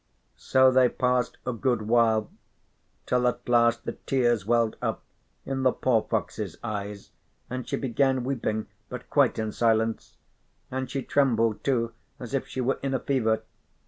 So they passed a good while, till at last the tears welled up in the poor fox's eyes and she began weeping (but quite in silence), and she trembled too as if she were in a fever.